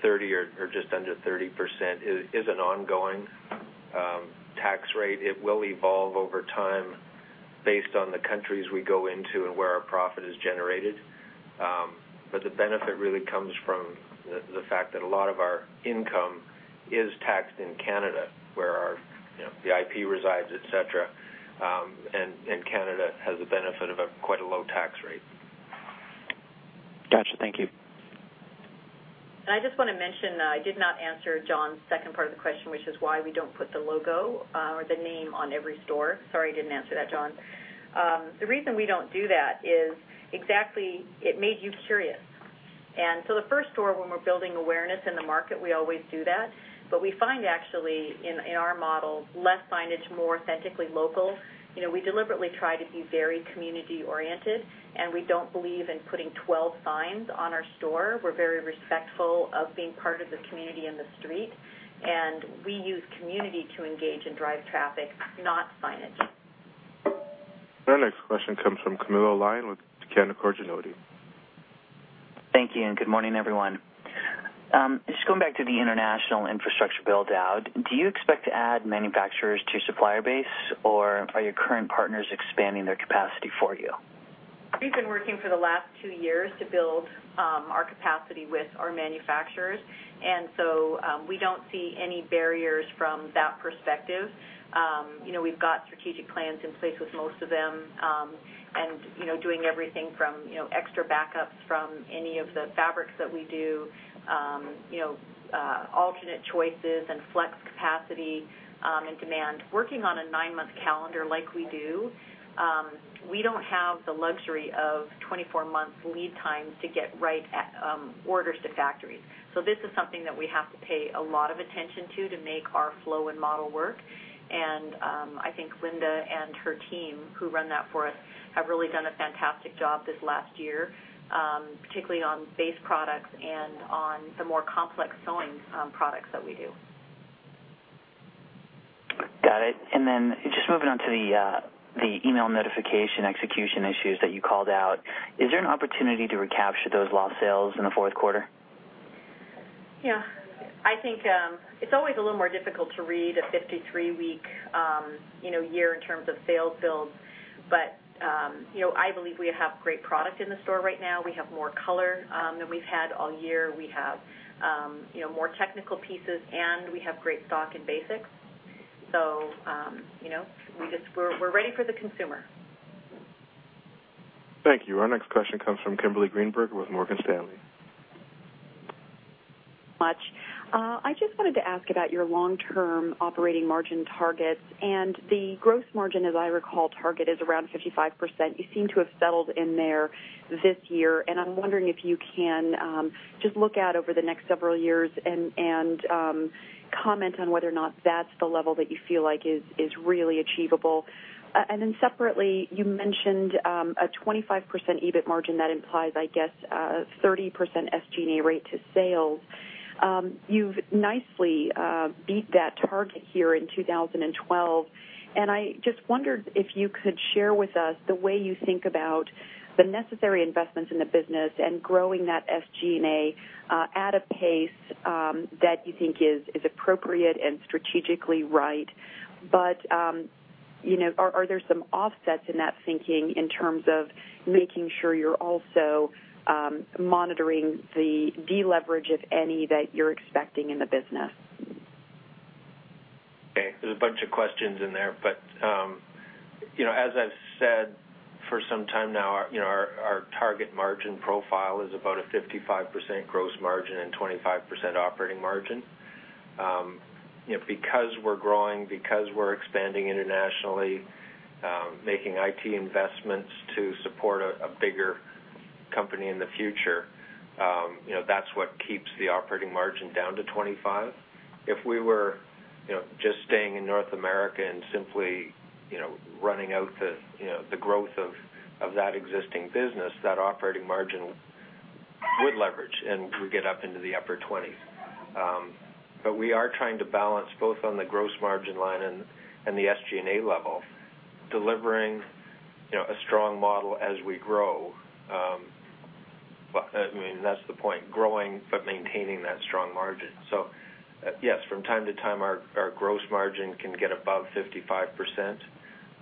30 or just under 30% is an ongoing tax rate. It will evolve over time. Based on the countries we go into and where our profit is generated. The benefit really comes from the fact that a lot of our income is taxed in Canada, where the IP resides, et cetera. Canada has the benefit of quite a low tax rate. Got you. Thank you. I just want to mention, I did not answer John's second part of the question, which is why we don't put the logo or the name on every store. Sorry, I didn't answer that, John. The reason we don't do that is exactly, it made you curious. The first store, when we're building awareness in the market, we always do that. We find actually, in our model, less signage, more authentically local. We deliberately try to be very community oriented, we don't believe in putting 12 signs on our store. We're very respectful of being part of the community and the street, we use community to engage and drive traffic, not signage. Our next question comes from Camilo Lyon with Canaccord Genuity. Thank you, good morning, everyone. Going back to the international infrastructure build-out, do you expect to add manufacturers to your supplier base, or are your current partners expanding their capacity for you? We've been working for the last two years to build our capacity with our manufacturers, we don't see any barriers from that perspective. We've got strategic plans in place with most of them, doing everything from extra backups from any of the fabrics that we do, alternate choices, and flex capacity and demand. Working on a nine-month calendar like we do, we don't have the luxury of 24 months lead times to get orders to factories. This is something that we have to pay a lot of attention to make our flow and model work. I think Linda and her team, who run that for us, have really done a fantastic job this last year, particularly on base products and on the more complex sewing products that we do. Got it. Moving on to the email notification execution issues that you called out, is there an opportunity to recapture those lost sales in the fourth quarter? Yeah. I think it's always a little more difficult to read a 53 week year in terms of sales builds. I believe we have great product in the store right now. We have more color than we've had all year. We have more technical pieces, we have great stock in basics. We're ready for the consumer. Thank you. Our next question comes from Kimberly Greenberger with Morgan Stanley. Much. I just wanted to ask about your long-term operating margin targets, the gross margin, as I recall, target is around 55%. You seem to have settled in there this year, I'm wondering if you can just look out over the next several years and comment on whether or not that's the level that you feel like is really achievable. Separately, you mentioned a 25% EBIT margin. That implies, I guess, a 30% SG&A rate to sales. You've nicely beat that target here in 2012. I just wondered if you could share with us the way you think about the necessary investments in the business and growing that SG&A at a pace that you think is appropriate and strategically right. Are there some offsets in that thinking in terms of making sure you're also monitoring the deleverage, if any, that you're expecting in the business? Okay. There's a bunch of questions in there, as I've said for some time now, our target margin profile is about a 55% gross margin and 25% operating margin. Because we're growing, because we're expanding internationally, making IT investments to support a bigger company in the future, that's what keeps the operating margin down to 25. If we were just staying in North America and simply running out the growth of that existing business, that operating margin would leverage, and we get up into the upper 20s. We are trying to balance both on the gross margin line and the SG&A level, delivering a strong model as we grow. I mean, that's the point, growing but maintaining that strong margin. Yes, from time to time, our gross margin can get above 55%. As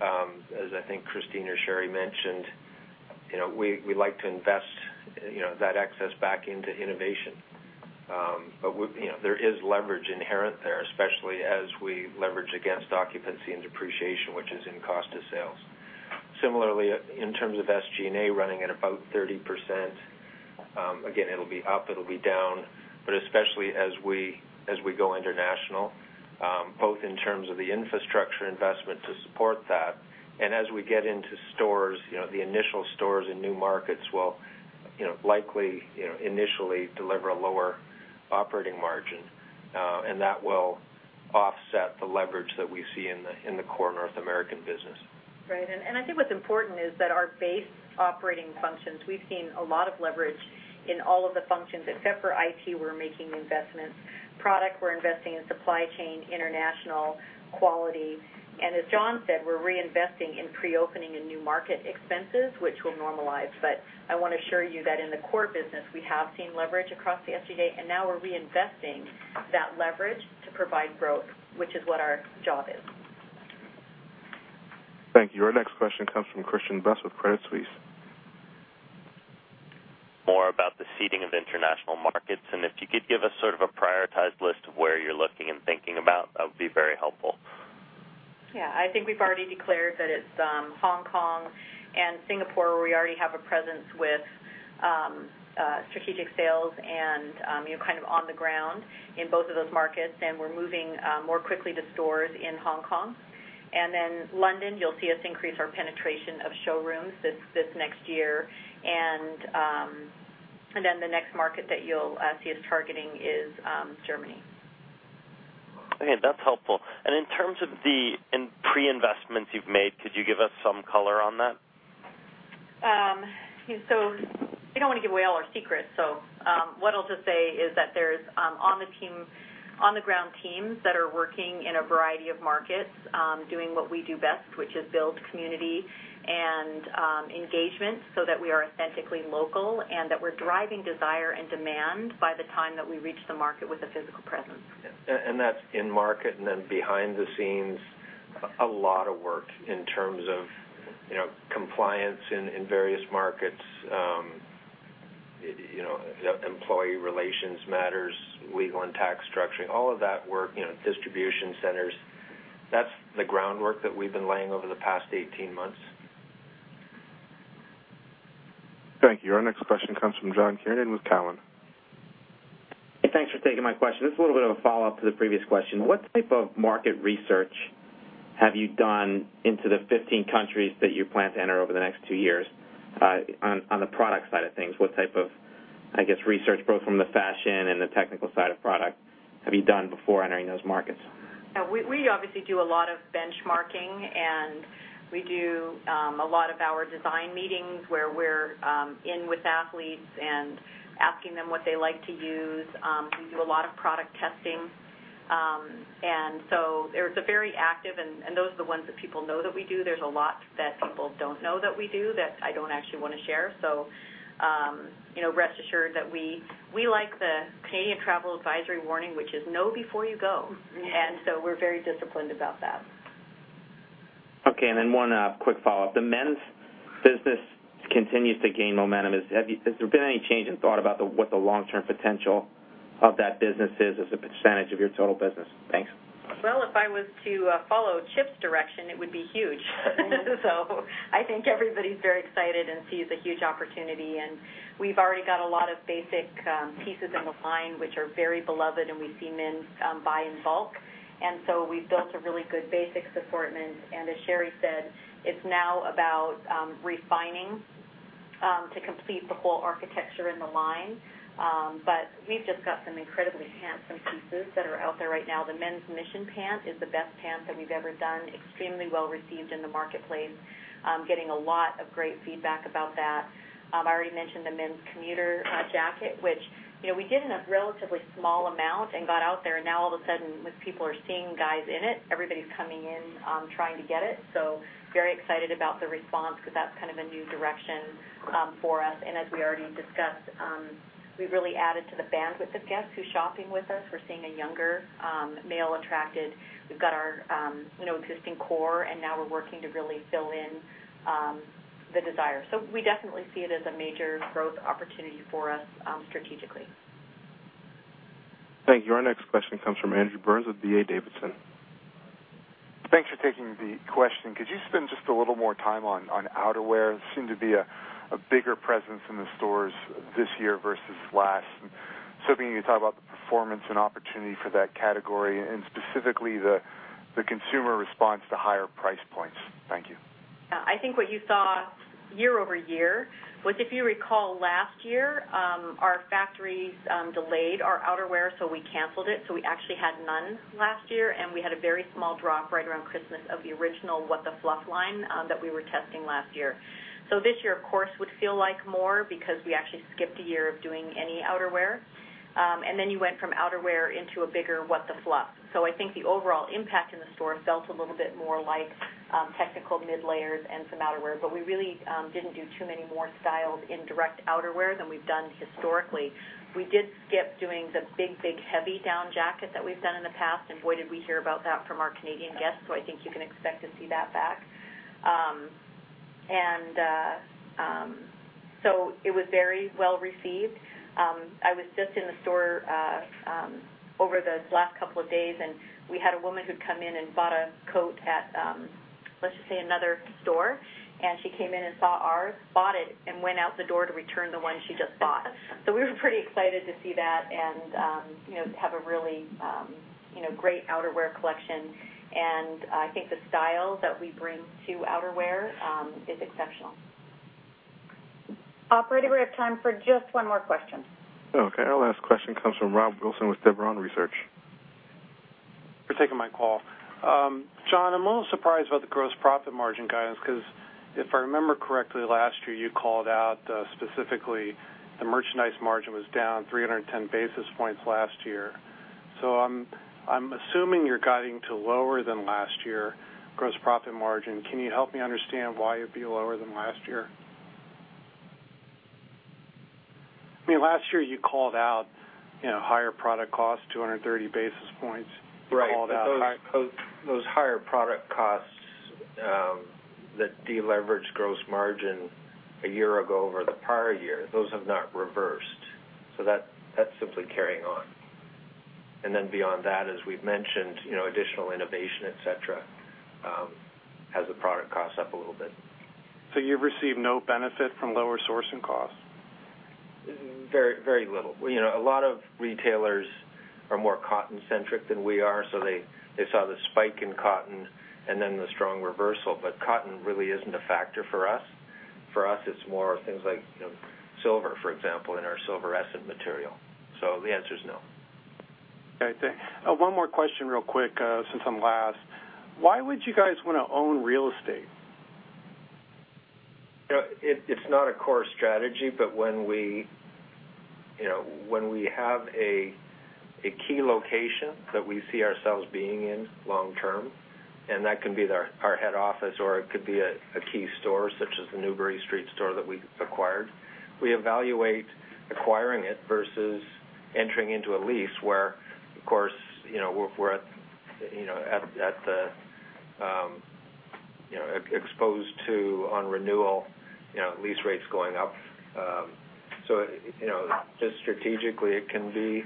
I think Christine or Sheree mentioned, we like to invest that excess back into innovation. There is leverage inherent there, especially as we leverage against occupancy and depreciation, which is in cost of sales. Similarly, in terms of SG&A running at about 30%, again, it'll be up, it'll be down. Especially as we go international, both in terms of the infrastructure investment to support that, and as we get into stores, the initial stores in new markets will likely initially deliver a lower operating margin. That will offset the leverage that we see in the core North American business. Right. I think what's important is that our base operating functions, we've seen a lot of leverage in all of the functions except for IT, we're making investments. Product, we're investing in supply chain, international, quality. As John said, we're reinvesting in pre-opening and new market expenses, which will normalize. I want to assure you that in the core business, we have seen leverage across the SG&A, now we're reinvesting that leverage to provide growth, which is what our job is. Thank you. Our next question comes from Christian Buss with Credit Suisse. of international markets, if you could give us sort of a prioritized list of where you're looking and thinking about, that would be very helpful. Yeah. I think we've already declared that it's Hong Kong and Singapore, where we already have a presence with strategic sales and kind of on the ground in both of those markets, and we're moving more quickly to stores in Hong Kong. London, you'll see us increase our penetration of showrooms this next year. The next market that you'll see us targeting is Germany. Okay. That's helpful. In terms of the pre-investments you've made, could you give us some color on that? We don't want to give away all our secrets, so what I'll just say is that there's on-the-ground teams that are working in a variety of markets, doing what we do best, which is build community and engagement so that we are authentically local, and that we're driving desire and demand by the time that we reach the market with a physical presence. Yeah. That's in market, and then behind the scenes, a lot of work in terms of compliance in various markets, employee relations matters, legal and tax structuring, all of that work, distribution centers, that's the groundwork that we've been laying over the past 18 months. Thank you. Our next question comes from John Kernan with Cowen. Thanks for taking my question. This is a little bit of a follow-up to the previous question. What type of market research have you done into the 15 countries that you plan to enter over the next two years on the product side of things? What type of, I guess, research, both from the fashion and the technical side of product, have you done before entering those markets? We obviously do a lot of benchmarking, and we do a lot of our design meetings where we're in with athletes and asking them what they like to use. We do a lot of product testing. It's very active, and those are the ones that people know that we do. There's a lot that people don't know that we do, that I don't actually want to share. Rest assured that we like the Canadian travel advisory warning, which is know before you go. We're very disciplined about that. Okay, one quick follow-up. The men's business continues to gain momentum. Has there been any change in thought about what the long-term potential of that business is as a percentage of your total business? Thanks. Well, if I was to follow Chip's direction, it would be huge. I think everybody's very excited and sees a huge opportunity, and we've already got a lot of basic pieces in the line, which are very beloved, and we see men buy in bulk. We've built a really good basics assortment. As Sheree said, it's now about refining to complete the whole architecture in the line. We've just got some incredibly handsome pieces that are out there right now. The men's Mission Pant is the best pant that we've ever done. Extremely well received in the marketplace. Getting a lot of great feedback about that. I've already mentioned the men's Commuter Jacket, which we did in a relatively small amount and got out there. All of a sudden, with people are seeing guys in it, everybody's coming in trying to get it. Very excited about the response because that's kind of a new direction for us. As we already discussed, we've really added to the bandwidth of guests who's shopping with us. We're seeing a younger male attracted. We've got our existing core, and now we're working to really fill in the desire. We definitely see it as a major growth opportunity for us strategically. Thank you. Our next question comes from Andrew Burns with D.A. Davidson. Thanks for taking the question. Could you spend just a little more time on outerwear? It seemed to be a bigger presence in the stores this year versus last. If you can talk about the performance and opportunity for that category, and specifically the consumer response to higher price points. Thank you. Yeah. I think what you saw year-over-year was, if you recall last year, our factories delayed our outerwear, so we canceled it. We actually had none last year, and we had a very small drop right around Christmas of the original What The Fluff line that we were testing last year. This year, of course, would feel like more because we actually skipped a year of doing any outerwear. Then you went from outerwear into a bigger What The Fluff. I think the overall impact in the store felt a little bit more like technical mid layers and some outerwear, but we really didn't do too many more styles in direct outerwear than we've done historically. We did skip doing the big, big, heavy down jacket that we've done in the past, and boy, did we hear about that from our Canadian guests. I think you can expect to see that back. It was very well received. I was just in the store over the last couple of days, and we had a woman who'd come in and bought a coat at, let's just say, another store. She came in and saw ours, bought it, and went out the door to return the one she just bought. We were pretty excited to see that and have a really great outerwear collection. I think the style that we bring to outerwear is exceptional. Operator, we have time for just one more question. Okay. Our last question comes from Rob Wilson with Devereaux Research. Thanks for taking my call. John, I'm a little surprised about the gross profit margin guidance because if I remember correctly, last year you called out specifically the merchandise margin was down 310 basis points last year. I'm assuming you're guiding to lower than last year gross profit margin. Can you help me understand why it'd be lower than last year? I mean, last year you called out higher product cost, 230 basis points. Right. Those higher product costs that deleveraged gross margin a year ago over the prior year have not reversed. That's simply carrying on. Beyond that, as we've mentioned, additional innovation, et cetera, has the product cost up a little bit. You've received no benefit from lower sourcing costs? Very little. A lot of retailers are more cotton centric than we are, they saw the spike in cotton and then the strong reversal. Cotton really isn't a factor for us. For us, it's more things like silver, for example, in our Silverescent material. The answer is no. Okay, thanks. One more question real quick, since I'm last. Why would you guys want to own real estate? It's not a core strategy, but when we have a key location that we see ourselves being in long term, and that can be our head office, or it could be a key store, such as the Newbury Street store that we acquired, we evaluate acquiring it versus entering into a lease where, of course, we're exposed to on renewal lease rates going up. Just strategically, it can be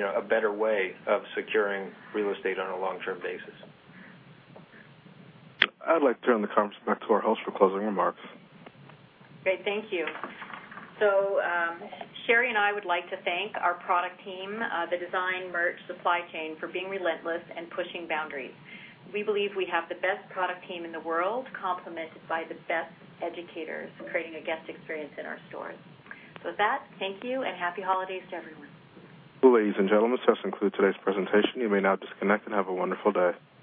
a better way of securing real estate on a long-term basis. I'd like to turn the conference back to our host for closing remarks. Great. Thank you. Sheree and I would like to thank our product team, the design merch supply chain, for being relentless and pushing boundaries. We believe we have the best product team in the world, complemented by the best educators, creating a guest experience in our stores. With that, thank you, and happy holidays to everyone. Ladies and gentlemen, this does conclude today's presentation. You may now disconnect, and have a wonderful day.